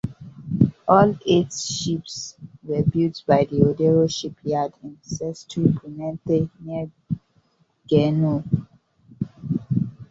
All eight ships were built by the Odero shipyard in Sestri Ponente near Genoa.